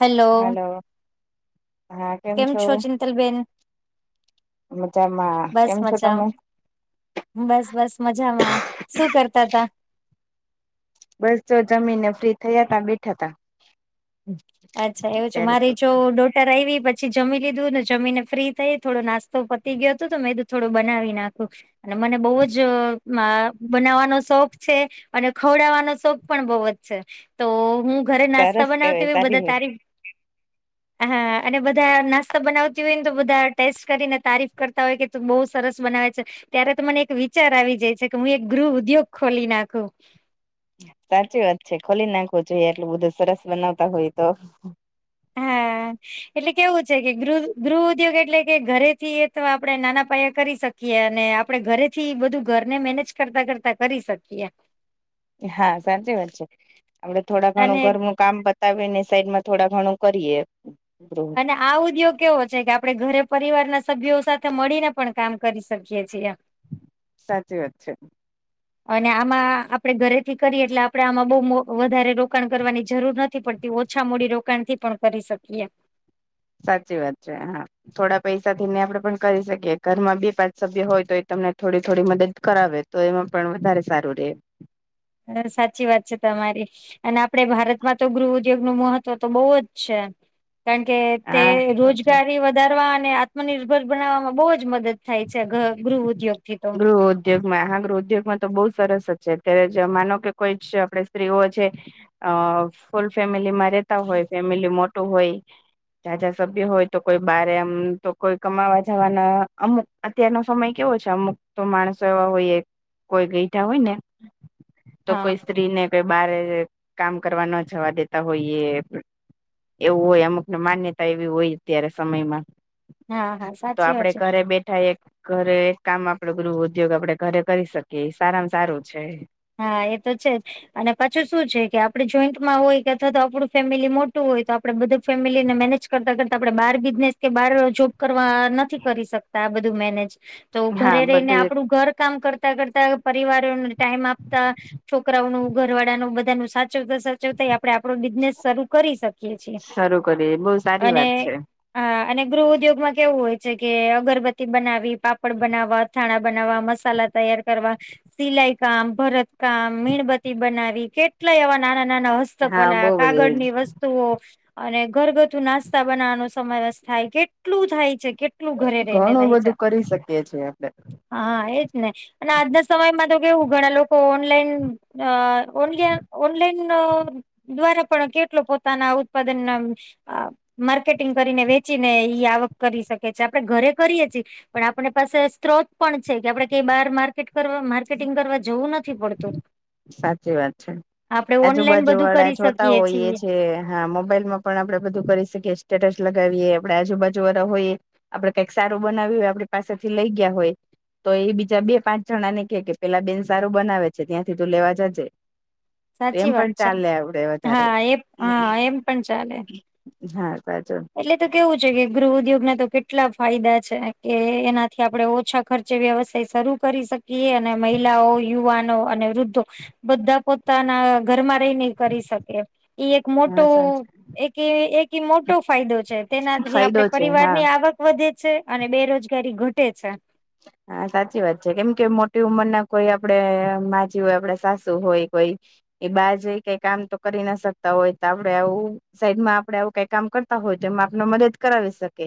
Hello hello કેમ છો ચિંતલ બેેન મજામાં બસ કેમ છો મજા તમે બસ બસ મજામાં શું કરતા તા બસસો જમી ને જો ફ્રી થયા તા બેઠા તા અચ્છા એવું છે ત્યારે તો મારી જો આવી પછી જમી લીધું ને જમીને ફ્રી થઈ થોડો નાસ્તો પતી ગયો હતો તો મેંધું થોડું બનાવી નાખું અને મને બહુ જ બનાવવાનો શોખ છે અને ખવડાવવાનો શોખ પણ બહુ જ છે તો હું ઘરે સરસ નાસ્તા કેવાય બનાવતીવી સારી બધા વાત [inaudible] હા અને બધા નાસ્તા બનાવતી હોય ને તો બધા ટેસ્ટ કરીને તારીફ કરતા હોય કે ત બહુ સરસ બનાવે છે ત્યારે તો મને એક વિચાર આવી જાય છે કે હું એક ગૃહ ઉદ્યોગ ખોલી નાખું સાચી વાત છે ખોલી નાખવું જોઈએ એટલું બધું સરસ બનાવતા હોય તો હા એટલે કેવું છે કે ગૃહ ગૃહ ઉદ્યોગ એટલે કે ઘરેથી અથવા આપડે નાના પાયા કરી શકીએ શકીએ અને આપડે ઘરેથી બધું ઘરને મેનેજ કરતા કરતા કરી શકીએ હા સાચી વાત છે આપડે થોડા અને ઘણું ઘરનું કામ બતાવી ને સાઈડમાં થોડા ઘણું કરીએ અને આ ઉદ્યોગ કેવો છે કે આપડણે ઘરે પરિવાર ના સભ્યો સાથે મળીને પણ કામ કરી શકીએ છીએ સાચી વાત છે અને આમાં આપડે ઘરેથી કરીએ એટલે આપડણે આમાં બહ વધારે રોકાણ કરવાની જરૂર નથી પડતી ઓછા મૂડી રોકાણ થી પણ કરી શકીએ સાચી વાત છે હા થોડા પૈસા થી ને આપડે પણ કરી શકીએ ઘરમાં બે પાંચ સભ્ય હોય તો એ તમને થોડી થોડી મદદ કરાવે તો એમાં પણ વધારે સારું રહેે એમ હ સાચી વાત છે તમારી અને આપડે ભારતમાં તો ગૃહ ઉદ્યોગ નું મહત્વ તો બહુ જ છે કારણ કે તે હા સાચી રોજગારી વધ વધાર અને આત્મનિર્ભર બનાવામાં બહુ જ મદદ થાય છે ગૃહ ઉદ્યોગ થી તો ગૃહ ઉદ્યોગમાં હ ગૃહ ઉદ્યોગમાં તો બહુ સરસ જ છે અત્યારે માનો કે કોઈ આપડ સ્ત્રીઓ છે અ ફૂલ ફેમિલી માં રેતા હોય ફેમિલી મોટું હોય જાજા સભ્ય હોય તો કોઈ બારે એમ તો કોઈ કમાવા જવાના અમ અત્યારનો સમય કેવો છે અમુક તો માણસો એવા હોય કોઈ ગયઠા હોય ને તો હા કોઈ સ્ત્રીને કે બારે કામ કરવા ન જવા દેતા હોઈએ. એવું હોય અમુકને માન્યતા એવી હોય અત્યારે સમયમાં હા હા તો સાચી વાત છે. આપડે ઘરે બેઠ એક ઘરે એક કામ આપડે ગૃહ ઉદ્યોગ આપડે ઘરે કરી શકીએ સારામાં સારું છે હા એ તો છે જ અને પાછું શું છે કે આપે જોઈન્ટમાં હોય કે અથવા તો આપણું ફેમિલી મોટું હોય તો આપણેે બધા ફેમિલીને મેનેજ કરતા કરતાં આપડણે બાર બિઝનેસ કે બાર જોબ કરવા નથી કરી શકતા આ બધું મેનેજ તો હા ઘરે રહીને બધું આપણું ઘર કામ કરતા કરતા પરિવારોને ટાઈમ આપ તા છોકરાઓનું ઘર વાળાનું બધા નું સાચવતા સાચવ જો ત‌ઈ આપડે આપડો બિઝનેસ શરૂ કરી શકીએ છીએ એક શરૂ કરીએ બહુ સારી અને વાત છે હ અને ગૃહ ઉદ્યોગમાં કેવું હોય છે કે અગરબત્તી બનાવી પાપડ બનાવવા અથાણા બનાવવા મસાલા તૈયાર કરવા સિલાઈ કામ ભરત કામ મીણબત્તી બનાવી કેટલા એવા નાના નાના હ હા હસ્તકલા બહુ કાગળ બધું ની વસ્તુઓ અને ઘરગથ્થુ નાસ્તા બનાવવાનો સમાવેશ થાય કેટલું થાય છે કે ઘણું બધું કરી શકીએ છે આપડે હા એજ ને અને આજના સમયમાં તો કેવું ઘણા લોકો તો ઓનલાઈન અ ઓન ઓનલાઈન દ્વારા પણ કેટલો પોતાના ઉત્પાદન ના. અ માર્કેટિંગ કરીને વેચી ને ઈ આવક કરી શકે છે આપડે ઘરે કરીએ છીએ. પણ આપણે પાસે સ્ત્રોત પણ છે કે આપડે કઈ બહાર માર્કેટ કરવા માર્કેટિંગ કરવા જોવું નથી. પછી પડતો સાચી વાત છે ઓનલાઈન આજુબાજુ બધું કરી વડાા જોતા શકીએ હોય એ છીએ છે. હા મોબાઈલ માં પણ આપડે બધું કરી શકીએ સ્ટેટસ લગાવીએ આપે આજુબાજુ વાળા હોઈએ. આપડે કઈક સારું બનાવી્યું હોય આપડી પાસેથી લઈ ગયા હોય. તો એ બીજા બે પાંચ જણા ને કે કે પેલા બેન સારું બનાવે છે ત્યાંથી તું લેવા જાજે. એમ સાચી વાત પણ છે ચાલે આવડે વધારે્ હા એ હા એમ પણ ચાલે હા ક તો એટલે તો કેવું છે કે ગૃહ ઉદ્યોગ ના તો કેટલા ફાયદા છે કે એનાથી આપડે ઓછા ખર્ચે વ્યવસાય શરૂ કરી શકે અને મહિલાઓ યુવાનો અને વૃદ્ધો બધા પોતાના ઘરમાં રહીને કરી શકે ઈ એક હા સાચો મોટું એક એક મોટ ફાયદો છે તેનાથી ફાયદો આપડે છે પરિવાર હા ની આવક વધે છે અને બેરોજગારી ઘટે છે. હા સાચી વાત છે કેમ કે મોટી ઉંમર ના કોઈ આપડે માજી હોય આપડે સાસુ હોય કોઈ એ બહાર જઈ કઈ કામ તો કરી ના શકતા હોય તો આપડે આવું સાઈડમાં આપડે આવું કઈ કામ કરતા હોય તેમા આપને મદદ કરાવી શકે.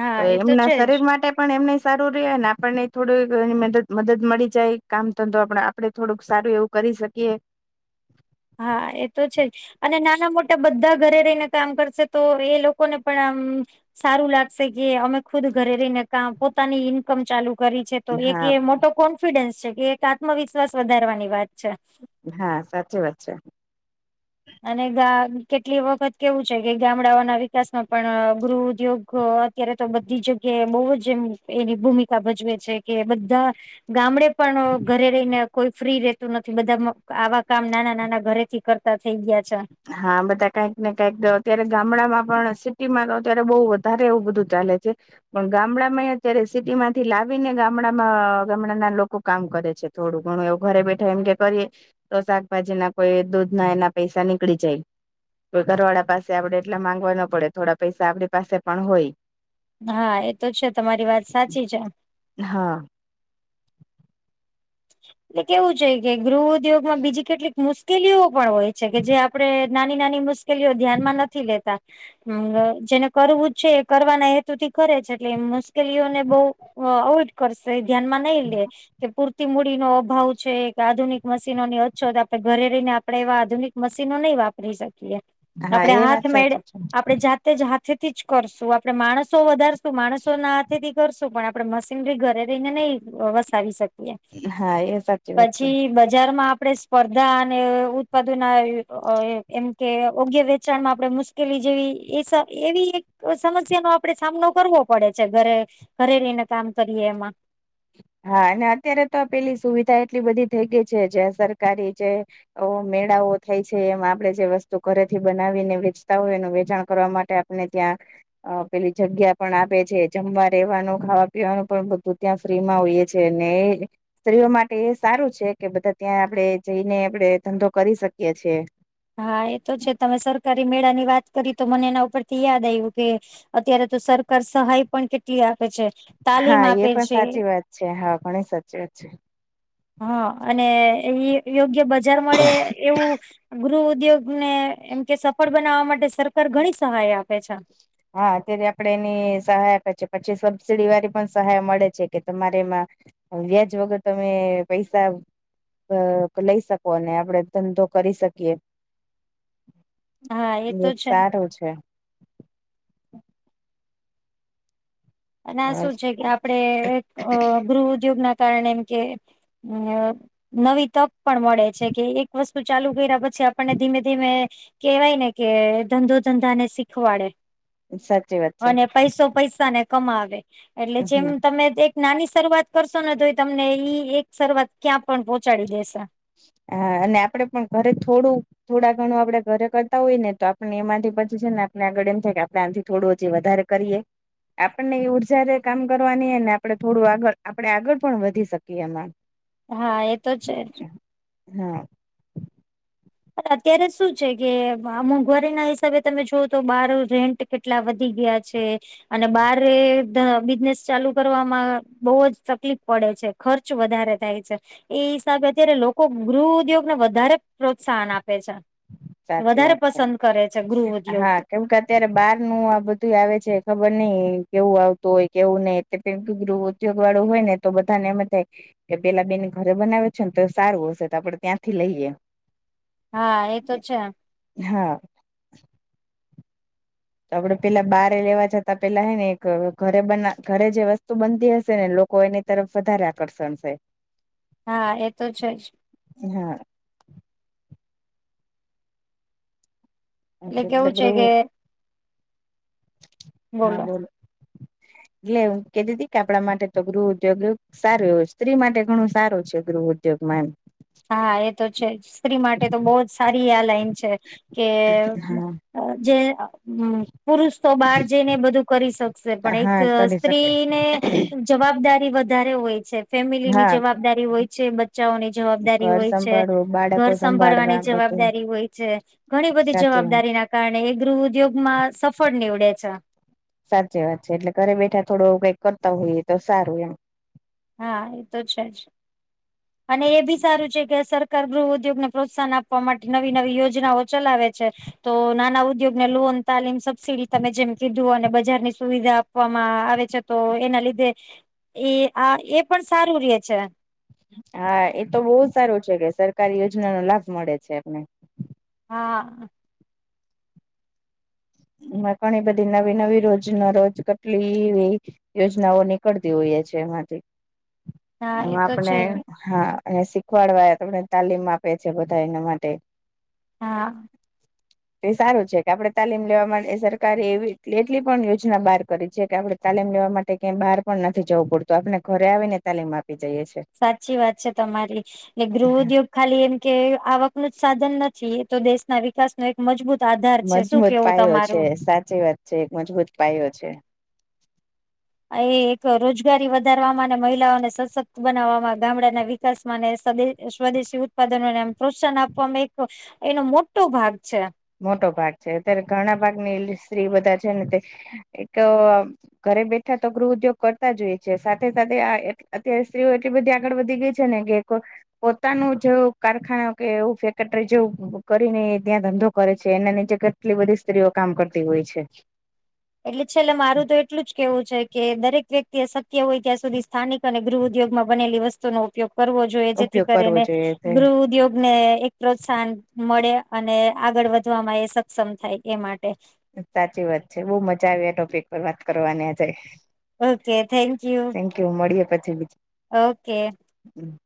હા તો એ એમના છે જ શરીર માટે પણ એમને. સારું રહે ને આપણને થોડુંક એ મદદ મદદ મળી જાય કામ ધંધો આપ આપણે થોડુંક સારું એવું. કરી શકીએ હા એ તો છે જ અને નાના મોટા બધા ઘરે રહીને કામ કરશે તો એ લોકોને પણ આમ સારું લાગશે કે અમે ખુદ ઘરે રહીને કામ પો પોતાની ઇન્કમ ચાલુ કરી છે તો એક એ હા મોટો કોન્ફિડન્સ છે કે એક આત્મવિશ્વાસ વધારવાની વાત છે. હા સાચી વાત છે. અને ગા કેટલી વખત કેવું છે કે ગામડાઓના વિકાસમાં પણ ગૃહ ઉદ્યોગ અત્યારે તો બધી જગ્યાએ બહુ જ એમ એની ભૂમિકા ભજવે છે કે બધા ગામડે પણ ઘરે રહીને કોઈ ફ્રી રેતું નથી બધા આવા કામ નાના નાના ઘરેથી કરતા થઈ ગયા છે. હા બધા કઈક ને કઈક અત્યારે ગામડામાં પણ સિટીમાં તો અત્યારે બહુ વધારે એવું બધું ચાલે છે. પણ ગામડા માં અત્યારે સિટી માંથી લાવી ને ગામડામાં ગામડાના લોકો કામ કરે છે. થોડું ઘણું એવું ઘરે બેઠા એમ કે કરીએ તો શાકભાજી ના કોઈ દૂધ ના એના પૈસા ની નિકળી જાય તો ઘરવાળા પાસે આપડે એટલા માંગવા ના પડે થોડા પૈસા આપડી પાસે પણ હોય. હા એ તો છે તમારી વાત સાચી છે. હા [inaudible] એટલે કેવું છે કે ગૃહ ઉદ્યોગમાં બીજી કેટલીક મુશ્કેલીઓ પણ હોય છે, કે જે આપડે નાની નાની મુશ કેલીઓ ધ્યાનમાં નથી લેતા હ જેને કરવું જ છે, એ કરવાના હેતુ થી કરે છે, એટલે એમ મુશ્કેલીઓને બોવ આવુજ કરશે ધ્યાનમાં નઈ લે કે પૂર તી મૂડીનો અભાવ છે, એક આધુનિક મશીનોની અછત આપણે ઘરે રેયને આપણે એવા આધુનિક મશીનો નહીં વાપ પરી શકીએ હા આપણે એ વાત હાથ મેળ સાચી છે આપણે જાત તે જ હાથેથી જ કરશું આપણે માણસો વધારશું માણસો ના હાથેથી કરશું પણ આપડે મશીનરી ઘરે રેયને નઈ વસાવી શકીએ હા એ તો પછી. બજારમાં આપણે સ્પર્ધા અને ઉત્પાદના એમ કે યોગ્ય વેચાણમાં આપણે મુશ કેલી જેવી એ સ એવી એક સમસ્યાનો આપડે સામનો કરવો પડે છે, ઘરે ઘરે રેયને કામ કરીએ એમાં હા અને અત્યારે તો પેલી સુવિધા એટલી બધી થઈ ગઈ છે, જે સરકારી જે મેળાઓ થાય છે, એમાં આપડે જે વસ્તુ ઘરેથી બનાવીને વેચતા હોય એનું વેચાણ કરવા માટે અને ત્યાં અ પેલી જગ્યા પણ આપે છે, જમવા રહેેવાનું ખાવા પીવાનું પણ બધું ત્યાં ફ્રીમાં હોઈએ છે ને સ્ત્રીઓ માટે એ સારું છે, કે બધા ત્યાં આપણેે જઈને આપણે ધંધો કરી શકીએ છે. હા એ તો છે, તમે સરકારી મેળાની વાત કરી તો મને એના ઉપરથી યાદ આવ્યું કે અત્યારે તો સરકાર સહાય પણ કેટલી આપે છે, તાલીમ હા એ આપે પણ છે. સાચી વાત છે, હા ઘણી સાચ વાત છે. હા અને યો યોગ્ય બજાર મળે એવું ગૃહ ઉદ્યોગ ને એમ કે સફળ બનાવવા માટે સરકાર ઘણી સહાય આપે છે. હા અત્યારે આપડે એની સહાય આપે છે, પછી સબસીડી વાળી પણ સહાય મળે છે કે તમારે એમાં હ વ્યાજ વગર તમે પૈસા અ લઈ શકો અને આપડે ધંધો કરી શકીએ હા એતો એ છે. સારું છે. [inaudible] અને આ શું છે કે આપણે અ ગૃહ ઉદ્યોગ ના કારણે એમ કે અ નવી તક પણ મળે છે, કે એક વસ્તુ ચાલુ કર્યા પછી આપણને ધીમે ધીમે કેવાય ને કે ધંધો ધંધા ને શીખવાડે સાચી વાત છે અને પૈસો પૈસાને કમાવે એટલે જેમ તમે નાની શરૂઆત કરશો ને તો એ તમને ઈ એક શરૂઆત ક્યાં પણ પહોંચાડી દેશે હ અને આપડે પણ ઘરે થોડું થોડા ઘણું આપડે ઘરે કરતા હોય ને તો આપણે એમાંથી પછી છે, ને આપણે આગળ એમ થાય કે આપણે આનથી થોડું હજી વધારે કરીએ. આપણને એ ઉર્જા રે કામ કરવાની એ ને આપણે થોડું આગળ આપણેે આગળ પણ વધી શકીએ એમાં હા એ તો છે. હા. અત્યારે શું છે કે મોંઘવારી ના હિસાબે તમે જોઓ તો બાર રેન્ટ કેટલા વધી ગયા છે. અને બાર એ ધ બિઝનેસ ચાલુ કરવામાં બોવ જ તકલીફ પડે છે. ખર્ચ વધારે થાય છે એ હિસાબે અત્યારે લોકો ગૃહ ઉદ્યોગ ના વધારે, પ્રત્સાહન આપે છે. સાચી વધારે વાત છે પસંદ કરે છે ગૃહ ઉદ્યોગ. હા કેમ કે અત્યારે બાર નું આ બધું આવે છે, ખબર નહિ કેવું આવતું હોય કેવું નહિ, [unintelligible] ગૃહ ઉદ્યોગ વાળું હોય ને તો બધાને એમ થાય કે પેલા બેને ઘરે બનાવે છે ને તો એ સારું હશે તો આપડે ત્યાંથી લઈએ હા એ તો છે. હા. આપડે પેલા બારે લેવા જતાં પેલા હે ને એક ઘરે બના ઘરે જે વસ્તુ બનતી હશે ને લો કોઈની તરફ વધારે આકર્ષણ છે. હા એ તો છે જ હા એટલે કેવું છે કે? હા બોલો [inaudible] એટલે કેતી હતી કે આપણા માટે તો ગૃહ ઉદ્યોગ સારું એવ સ્ત્રી માટે ઘણું સારું છે ગૃહ ઉદ્યોગ. ઉ્યોગમાંમ [inaudible] હા એ તો છે સ્ત્રી માટે તો બહ જ સારી આ લાઈન છે કે એમ હા અ જે હમ પુરુષ તો બહાર જઈને બધું કરી શકશે પણ એક હા કરી શકે સ્ત્રીને જવાબદારી વધારે હોય છે ફેમિલી ની હા જવાબદારી હોય છે બચ્ચાઓની જવાબદારી ઘર સંભાળવું ઘર બાળકો સંભળવાની સંભાળવા બધું જવાબદારી હોય છે ઘણી બધી સાચી જવાબદારી એના કારણે એ ગૃહ ઉદ્યોગમાં સફળ નીવડે છે. સાચી વાત છે એટલે ઘરે બેઠા થોડુક કઈક કરતા હોઈએ તો સારું એમ. હા એ તો છે જ અને એ બી સારું છે કે, સરકાર ગૃહ ઉદ્યોગને પ્રોત્સાહન આપવા માટે નવી નવી યોજનાઓ ચલાવે છે. તો નાના ઉદ્યોગ ને લોન, તાલીમ, સબસીિડી તમે જેમ કેધુ એમ જુઓ અને બજારની સુવિધા આપવામાં આવે છે તો એના લીધે એ આ એ પણ સારું રે છે. હા એ તો બહુ સારું છે કે સરકારી યોજના નો લાભ મળે છે આપને હા માં ઘણી બધી નવી નવી રોજ ન રોજ કટલીવી યોજનાઓ નીકળતી હોઈએ છે એમાંથી હા હ એ તો આપણે છે ને હા અને શીખવાડવા તોને તાલીમ આપે છે બધા એના માટે, હા એ સારું છે કે આપડે તાલીમ લેવા માટે સરકારે એવી એટલી પણ યોજના બહાર કરી છે, કે આપણે તાલીમ લેવા માટે ક્યાંય બહાર પણ નથી જવું પડતું. તો આપને ઘરે આવીને તાલીમ આપી જઈએ છે. સાચી વાત છે તમારી ગૃહ ઉદ્યોગ ખાલી એમ કે આવક ન જ સાધન નથી એ તો દેશના વિકાસ વિકાસ નો એક મજબૂત આધાર છે. શું મજબૂત કેવું પાયો છે તમારું? સાચી વાત જે એક મજબૂત પાયો છે. આ એ એક રોજગારી વધારવામાં અને મહિલાઓને સશક્ત બનાવવામાં ગામડાના વિકાસમાંને સ્વદેશી ઉત્પાદનોને પ્રોત્સાહન આપવામાં એક એનો મોટો ભાગ છે. મોટો ભાગ છે અત્યારે ઘણા ભાગની સ્ત્રી બધા છે ને તે એક ઘરે બેઠા તો ગૃહ ઉદ્યોગ કરતા જ હોએ છે. સાથે સાથે અત્યારે સ્ત્રીઓ એટલી બધી આગળ વધી ગઈ છે. છે ને કોઈ [unintelligible] પોતાનું જે કારખાના કે એવું ફેક્ટરી જે કરીને ત્યાં ધંધો કરે છે એના નીચે કેટલી બધી સ્ત્રીઓ કામ કરતી હોય છે. એટલે છેલ્લે મારું તો એટલું જ કેવું છે કે દરેક વ્યક્તિ અશક્ય હોય ત્યાં સુધી સ્થાનિક અને ગૃહ ઉદ્યોગમાં બનેલી વસ્તુ નો ઉપયોગ કરવો જોઈએ જેથી ઉપયોગ કરવો કરીને જોઈએ તે ગૃહ ઉદ્યોગ ને એક પ્રોત્સાહન મળ્યા અને આગળ વધવામાં એ સક્ષમ થાય એ માટે. સાચી વાત છે બઉ મજા આવી આ ટોપિક પર વાત કરવાની આજે. ઓકે થેન્ક યુ કેવું મળીએ પછી બીજું ઓકે હમ